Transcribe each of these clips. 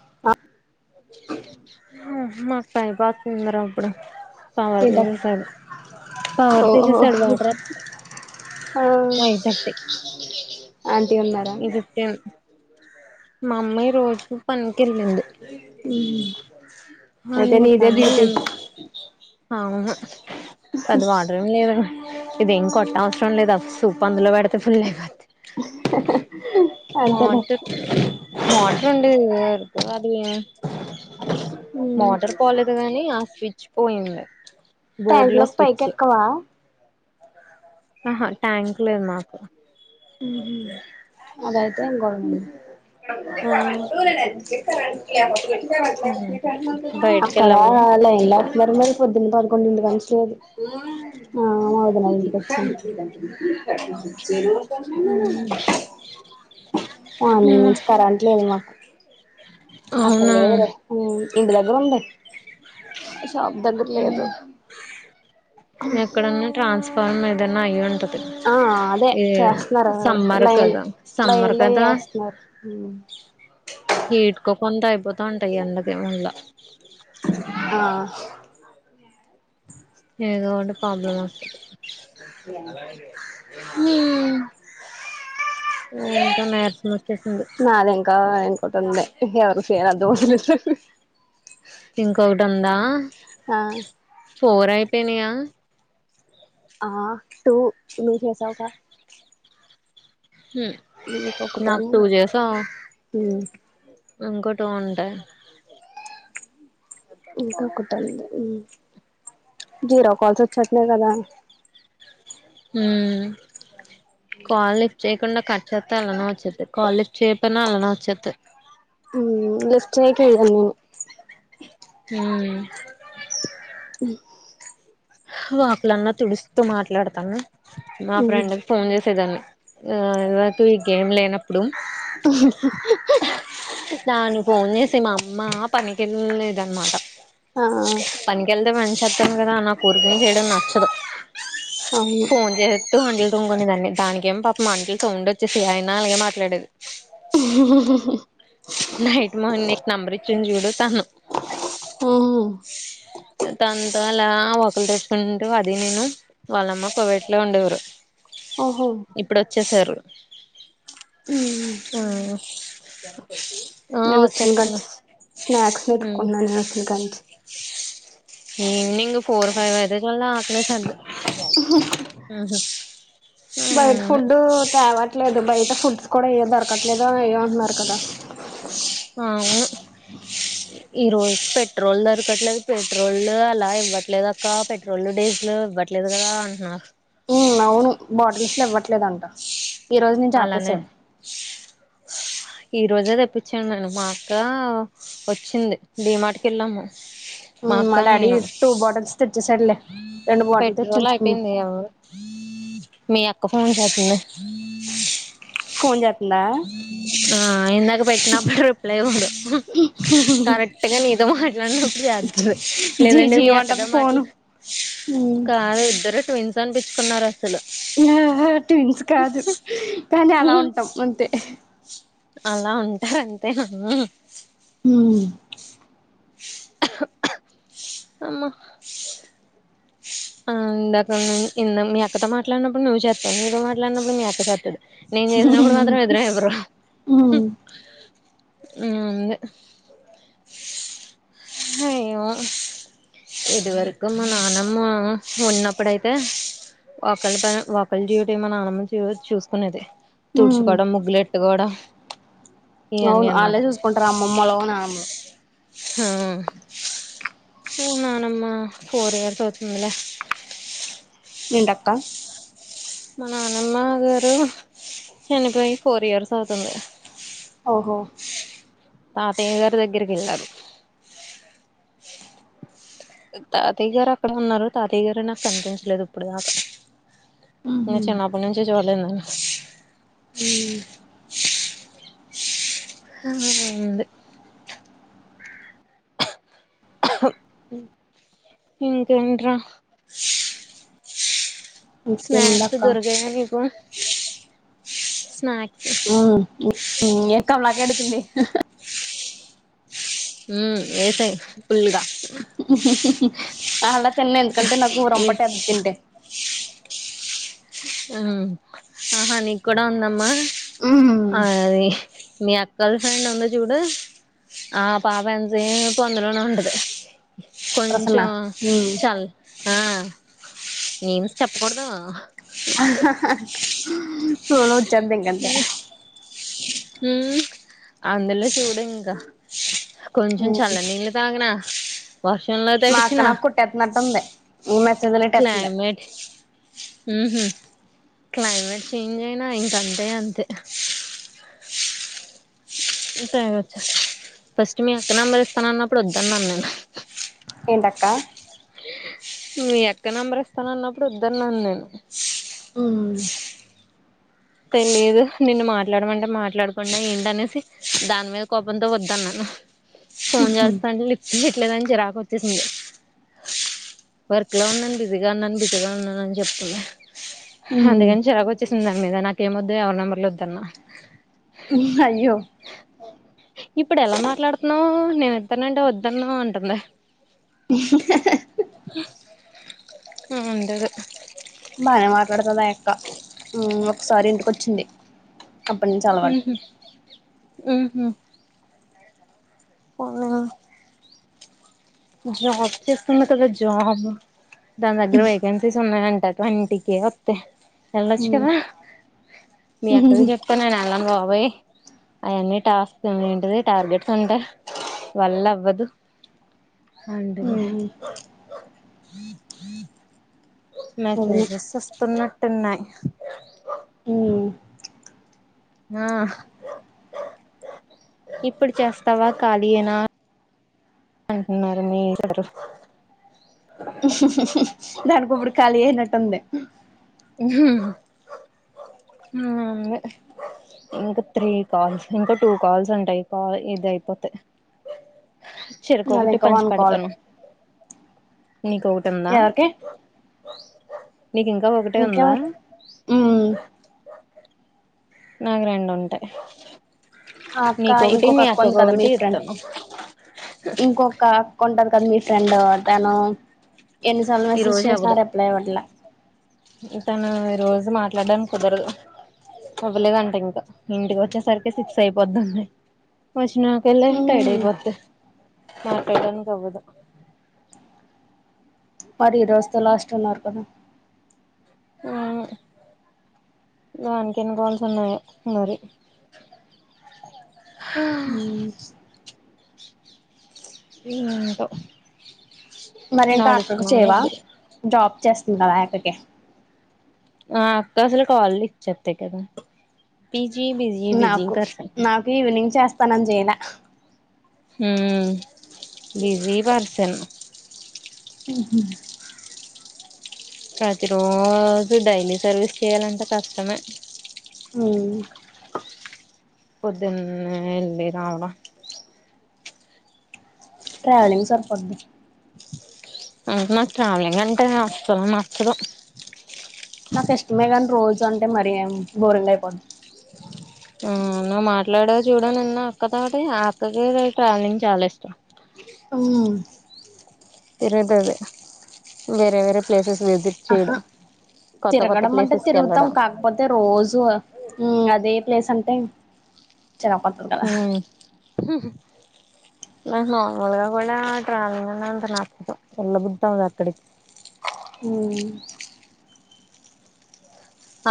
[unintelligible] అప్పుడు [unintelligible] పవర్ ఓహో తీసేసాడు వాటర్ అత్తనై పోయిటట్టే ఆంటీ ఉన్నారా మమ్మీ రోజుకు పనికి అతే నీదే తీసేస్ ఆహా అది వాటర్ ఏం లేదు ఇది కొట్ట అవసరం లేదు అచ్చు పందుల పెడితే ఫుల్లే కా అంతేలే [unintelligible] రెండు వరకు అది మోటార్ పోలేదు కాగానీ ఆ స్విచ్ పోయింది ట్యాంక్ బోర్డులో లో పైకి స్విచ్ ఎక్కవా ఆహా ట్యాంక్ లేదు మాకు అదయితే ఇంకోటి ఉండేది అక్కడ బయటికెళ్ళావా లైన్ లో వస్తున్నారు మరి పొద్దున్న పడుతు కొంది వెనసుదు [unintelligible] హ మార్నింగ్ నుంచి కరెంటు లేదు మాకు అక్కడ అవునా లేదులేే ఇంటి దగ్గర ఉంది షాప్ దగ్గర లేదు ఉమ్ ఫర్మ్ ఏదన్నా అయ్యుంటది ఆ అదే చేస్తున్నారు సమ్మర్ ఇలా కదా సమ్మర్ లైన్లో కదా వేస్తున్నారు మ [inaudible] వీట్కో కొంత అయిపోతా ఉంటాయి ఎండగే మళ్ళ ఆ ఏదోకటి ప్రాబ్లెం వస్తుంది హ్మ్ ఏ బి వచ్చేసింది ఆ నాదింకా అయిపోతుందిలే దోశలు ఇంకోటి ఉందా ఆ ఫోర్ అయిపోయినాయా ఆ టు నువ్వు చేసావ్ గా హ్మ్ నాకు టూ చేేసా ఇంకో టు ఉండ్య ఇంకా కుట్టలి జీరో కాల్స్ వచ్చాట్లే కదా ఉమ్ కాల్ లిఫ్ట్ చేయకుండా కట్ చేస్తా అలానా వచ్చేది కాల్ లిఫ్ చేయకపోతే అలానే వచ్చేత్తది హ్మ్ లిఫ్ట్ చేకి నేను హ్మ్ హ్ లోపలన్న తుడుస్తూ మాట్లాడతాను మా ఫ్రెండ్కు ఫోన్ చేసేదాన్ని నాకు ఈ గేమ్ లేనప్పుడు దానికి ఫోన్ చేసి మా అమ్మ పనికి వెళ్ళలేదన్నమాట ఆ పనికెళ్తే మంచి వస్తాను కదా నాకూ ఊరికే చేయడం నచ్చదు అవును ఫోన్ చేసి తటు హండల్ తుంగనిందాన్ని దానికి పా మంటలు సౌండ్ వచ్చేసి అయినా అలాగే మాట్లాడేది నైట్ మా అన్న కి నంబర్ ఇచ్చాను చూడు తను త అలా ఒకరు తెచ్చుకుంటూ అది నేను వాళ్ళమ్మ కువైట్ లో ఉండేవారు ఓహో ఇప్పుడు వచ్చేసారు హ్మ్ చెప్ప ఆ వచ్చేసారు కాంచి స్నాక్స్ వెతుకున్నాను నేను వచ్చిన కాంచి ఈవెనింగ్ ఫోర్ ఫైవ్ అయితేనే ఆకలి వేశాద్ది బయట ఫుడ్ తేవట్లేదు బయట ఫుడ్స్ కూడా ఏయ్ దొరక్కట్లేదు దొరకక్కట్లేద ఏదో అంటున్నారు కదా అవును ఈ రోజు పెట్రోల్ దొరకట్లేదు పెట్రోల్ అలా ఇవ్వట్లేదు అక్క పెట్రోల్ డీజిల్ ఇవ్వట్లేదు కదా అంటున్నా హ్మ్ అవును బాటిల్స్ లో ఇవ్వట్లేదంట ఈ రోజు నుంచి అలానే ఆపేశాను ఈ రోజే తెప్పించాను మరి మా అక్క వచ్చింది డిమార్ట్ కి వెళ్ళాము ఉమ్ అక్క మా డాడీ నేను టు బాటల్స్ తెచ్చేసాడులే రెండు బాటిల్ తెచ్చి పెట్రోల్ ఉంచుకున్నా అయిపోయింది ఎవరు మీ అక్క ఫోన్ చేసింది ఉష్ ఉష్ ఫోన్ చేత్తందా ఇందాక పెట్టినప్పుడు రిప్లై కూడా కరెక్ట్ గా నీతో మాట్లాడినప్పుడు చేద్దంది జీ లేదంటే జీ మీ అంటది అక్కదా మాట్లా ఫోను ఉమ్ కాదు ఇద్దరు ట్విన్స్ అనిపించుకున్నారు అసలు హా హా ట్విన్స్ కాదు కానీ అలా ఉంటాం అంతే అలా ఉంటారంతే హా ఊ అమ్మ ఆ ఇందాక మీ అక్కతో మాట్లాడినప్పుడు నువ్వు చే నీతో మాట్లాడినప్పుడు మీ అప్పకస్తుదు నేను చేసినప్పుడు మాత్రం ఎదర ఎవరు ఉమ్ ఊ ఉంది హయ్యొ ఇది వరకు మా నానమ్మ ఉన్నప్పుడైతే ఒకళ ఒకళ జ్యవిటి మన ఆనమం చూసుకునేది ఉమ్ తుడుచుకోవడం ముగ్గులెట్టుకోవడం ఇవన్నీ అవును అనమాట వాళ్ళే చూసుకుంటారు అమ్మమ్మలు అవు నాన్నమ్మలు హూ నానమ్మ ఫోర్ ఇయర్స్ అవుతుందిలే ఉంటక్క మా నాన్నమ్మ గారు చనిపోయి ఫోర్ ఇయర్స్ అవుతుంది ఓహో తాతయ్య గారి దగ్గరికి వెళ్ళారు తాతయ్య గారు అక్కడ ఉన్నారు తాతయ్య గారే నాకు కనిపించలేదు ఇప్పుడు దాకా ఇంగ ఉహు చిన్నప్పడి నుంచి చాడలెదు నన్ను ఊ హా ఉంది ఇంకేంట్ర స్నాక్స్ ఇంకేముందక్క దుర్గగయా నీకు స్నాక్ ఎక్క బలాక ఎడుకింది ఉ ఏతై అలా తిన్ను ఎందుకంటే నాకు ఊ ఈ రంపటి ఎద్ద తింటే ఆ ఆహా నీకు కూడా ఉందమ్మా ఉమ్ ఆ అది మీ అక్క వాళ్ళ ఫ్రెండ్ ఉంది చూడు ఆ పాప ఎంతసేపు అందులోనే ఉండది ప్రసన్న కొంచం ఉమ్ చల్ ఆ నేను చెప్పకూడదు ఆహా హా ఫోన్ వచ్చేద్ది ఇంకా అంతే ఊ అందులో చూడు ఇంకా కొంచెం ఉమ్ చల్లనీళ్ళు తాగినా వర్షంలో మా అక్క తడిసిన నాకు కొట్టేతున్నట్టుంది మెసేజ్ లు ఎట్టేతుంది క్లైమేట్ ఊహు క్లైమేట్ చేంజ్ అయినా ఇంకంతే అంతే సేగ వచ్చా ఫస్ట్ మీ అక్క నెంబర్ ఇస్తాన అన్నప్పుడు వద్దన్నాను నేను ఉంటక్క మీ అక్క నెంబర్ ఇస్తానన్నప్పుడు వొద్దన్నాను నేను ఊ తెలియదు నిన్న మాట్లాడమంటే మాట్లాడకుండా ఏంటి అనేసి దాని మీద కోపంతో వద్దన్నాను ఫోన్ ఉహు చేస్తా అంటే లిఫ్ట్ చేయట్లేదు అని చిరాకు వచ్చేసింది వర్క్ లో ఉన్నాను బిజీగా ఉన్నాను బిజీగా ఉన్నాను అని చెప్తుంది ఉమ్ అందుకని చిరాకు వచ్చేసింది నాకు దాని మీద నాకేం వద్దు ఎవరి నెంబర్లు వద్దన్నా అయ్యో ఇప్పుడు ఎలా మాట్లాడుతున్నావ్ నేనిత్తానంటే వద్దన్నావ్ అంటుంది ఉండేదే బాగనే మాట్లాడుతుంది ఆ అక్క ఒకసారి ఇంటికొచ్చింది అప్పటి నుంచి అలవాటు ఊహూ ఊహూ [unintelligible] జాబ్ చేస్తుందటగా కదా జాబ్ దాన్ దగ్గర వేకెన్సీస్ ఉన్నాయం ట క్లయింట్కి ఒత్తే ఎళ్లొచ్చు ఉమ్ కదా మీ ఉహుహు అక్కకి చెప్కో నేన్ ఎళ్ళను బాబోయ్ అయన్నీ టాస్క్ ఏంటిది టార్గెట్స్ ఉంట వళ్ళ అవ్వదు. పండులె ఉమ్ అవును మెసేజెస్ వస్తునట్టున్నాయి. ఉమ్ ఆ ఇప్పుడు చేస్తావా కాలియేనా అంటున్నారు మీ [unintelligible] దానికిప్పుడు ఖాళీ అయినట్టుంది. హ్ హ్ ఇంకా త్రీ కాల్స్ ఇంకా టూ కాల్స్ ఉంటయి. కాల్ ఇది అయిపోతే నాది చెరుకొకటి ఇంకా వన్ కాల్ పంచిపెడ్తాను. నీకొకటి ఉందా ఎవరికి నీకింకా ఒ ఇంకెవర్ మ్ నాక్ రెండు ఉంటాయి. ఆ అక్క నీకొకటి ఇంకొక మీ అక్క ఉంది కదా మీ అక్కకొకటి ఫ్రెండ్ ఇత్తను. ఇంకొక అక్క ఉంట తద్ మీ ఫ్రెండ్ తను ఎన్నిసార్లు మెసేజ్ చేసిన రిప్లై ఇవ్వట్ల ఇతను ఈ రోజు మాట్లాడడానికి కుదరదు. అవ్వలేదంట ఇంకా ఇంటికొచ్చేసరికి సిక్స్ అయిపోతుంది. పోషినాకెళ్ళే టైడ్ మ్మ్ అయిపొద్ది. మాట్లాడానికి అవ్వదు. మరి ఈ రోజుతో లాస్ట్ అన్నారు కదా దానికెన్ని కాల్స్ ఉన్నాయో మరి హ మ్ ఇంక మరి ఇంకా అక్కకు చేయవా జాబ్ చేస్తున్నారు ఆ అక్కకి ఆ అక్క అసలు కాల్ లిఫ్ట్ చేత్తె కదా బిజీ బిజీ నాకు పర్సన్ నాకు ఈవినింగ్ చేస్తానంది చేలా హ్మ్ బిజీ పర్సను. హ్ ప్రతిరోజు డైలీ సర్వీస్ చేయ్యాలంటే కష్టమే అవును పొద్దున్నే ఎల్లి రావ ట్రావెలింగ్ సరిపోద్ది. అ నాక్ ట్రావెలింగ్ అంటే అస్సలు నచ్చదు. నాకిష్టమే గని రోజు అంటే మర బోరింగ్ అయిపోతుం మ్ నువ్ మాట్లాడావ్ చూడు నిన్న అక్క తోటి ఆ అక్కకి ట్రావెలింగ్ చాలా ఇష్టం. అవునా తిరుగుతది వేరే వేరే ప్లేసెస్ విజిట్ అహా చేయడం కొత్త కొత్త తిరగడం అంటే ప్లేసెస్కి తిరుగుతాం వెళ్ళడం కాకపోతే రోజూ మ్ అదే ప్లేసంటే చిరాకొస్తుంద్ కదా ఉమ్ నాక్ నార్మల్గా కూడా ట్రావెలింగ్ అనే అంత నచ్చదు. ఎల్ల బుద్ధవ్వదు అక్కడికి మ్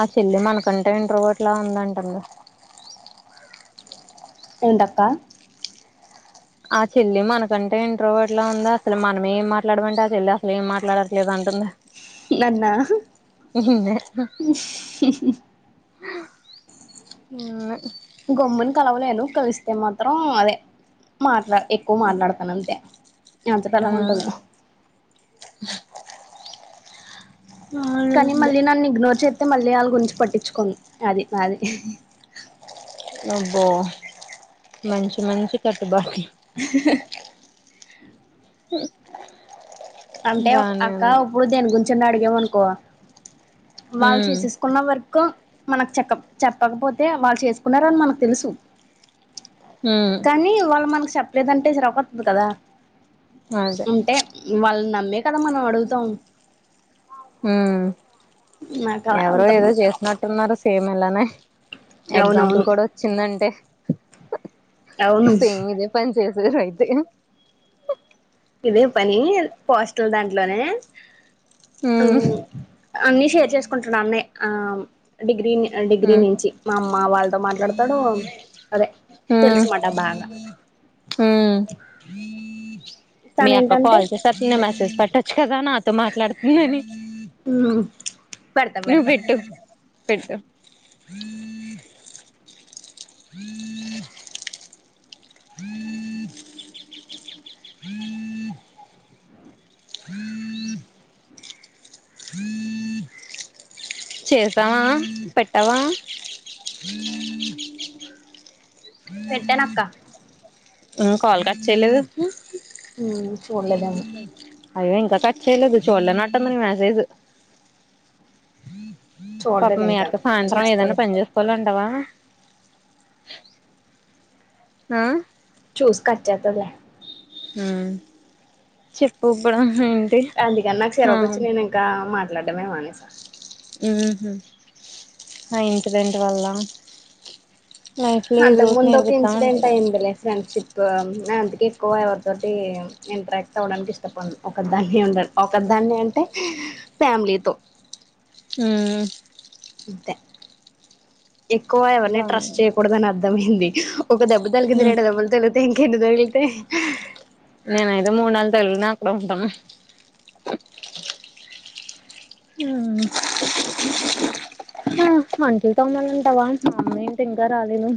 ఆ చెల్లే మనకంటే ఇంట్రోవర్ట్లా ఉందంటగా ఏంటక్క. ఆ చెల్లి మనకంటే ఇంట్రోవర్ట్ లా ఉంది అసలు మనమే, ఏం మాట్లాడమంటే ఆ చెల్లి అసలు ఏం మాట్లాడట్లేదు అంటంది. నన్నా నిన్నే అ ఈ గొమ్ముని కలవలేను. కలిస్తే మాత్రం అదే మాట్లాడ్, ఎక్కువ మాట్లాడతాను అంతే, ఆ ఎంతలా ఉంటంది నేన్ కానీ అవునండి మళ్ళీ నన్ను ఇగ్నోర్ చేతే మళ్ళీ వాళ్ళ గురించి పట్టించుకోను అది అది అబ్బో మంచి మంచి కట్టుబాట్లు. ఉహు అంటే అక్క ఇప్పుడు దేని గురించన అడిగావు అనుకో వాళ్ళు ఉమ్ చేసేసుకున్న వర్క్ మనక్ చెకప్ చెప్పకపోతే వాళ్ళు చేసుకున్నారని మనకు తెలుసు ఉమ్ కానీ వాళ్ళ మనకు చెప్పలేదంటే చిరకువతది కదా అదే ఉంటే వాళ్ళని నమ్మే కదా మనం అడుగుతాం ఉమ్ నాకు అలా ఎవరో ఏదో ఉంటదన్నమాట చేసినట్టున్నారు సేమ్ ఇలానే ఎగ్జాంపుల్ అవునవును కూడా వచ్చిందంటే అవును సేమ్ ఇదే పన్ చేశారు అయితే ఇదే పని పోస్టల్ దాంట్లోనే ఉమ్ ఉహ్మ్ అన్ని షేర్ చేసుకుంటున్నా అన్నయ్య ఆ మ్ డిగ్రీ డిగ్రీ ఉమ్ నుంచి మా అమ్మ మా వాళ్ళతో మాట్లాడతాడు. అదే ఉమ్ తెలుసు మాట బాగా. ఉమ్ చ్ మీ అక్క కాల్ చేసేతంది మెసేజ్ పెట్టొచ్చు కదా నాతో మాట్లాడుతుందని. హామ్ పెడతా నువ్వు పెడతా పెట్టు పెట్టు హ అ హ చేశావా పెట్టావా పెట్టనక్క ఉమ్ కాల్ కట్ చేయలేదు ఉమ్ చూడలేదేమో అయ్యబాబోయ్ ఇంకా కట్ చేలేదు చూడలేనట్టుంది నీ మెసేజ్ పాపం చూడలేదు మీ ఇంకా అక్క సాయంత్రం ఏదన్నా చూస్తది పని చేసుకోవాలంటావా హ్మ్మ్ చూసి కట్ చేతదిలే హ్మ్మ్ చెప్పు బ్రో ఎంత్ అందుకని నాకు చిరకు వోచ్చి నేను ఇంకా మాట్లాడమే మానేశా ఉహు ఆ ఇన్సిడెంట్ వల్ల లైఫ్ లో ఏదో అంతకు ఒకటి ముందు ఒక నేర్పిస్తా ఇన్సిడెంట్ ఉంటది అయిందిలే ఫ్రెండ్షిప్. బా నా అందుకే ఎక్కువ ఎవరితోటి ఇంటరాక్ట్ అవ్వడానికి ఇష్టపడను ఒక దాన్ని ఉందా ఒకాదన్ అన్ని అంటే ఫ్యామిలీతో హుమ్మ్ అంతే ఎక్కువ ఎవరిని ట్రస్ట్ బాగుంది చేయకూడదని అర్థమైంది. ఒక దెబ్బ తలిగింది రెండు దెబ్బలు తలిగితే ఇంకెన్ని తగులుతాయి నేనైతే మూడు నాలుగు తగిలిన అక్కడే ఉంటాను హుమ్మ్ హుమ్ అంటులు తోమాలంటావా మా మమ్మ అయితే ఇంకా రాలేదు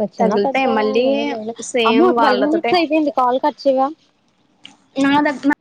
వచ్చినా పెద్ద తగులుతాయి మళ్ళీ ఏమి లేలే. అమ్మో సేమ్ ట్వెల్వ్ వాళ్ళతోటే మినిట్స్ అయిపోయింది కాల్ కట్ చేయవా. నా దగ్న